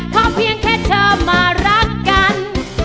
เพราะเพียงแค่เธอมารักกัน